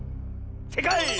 せいかい！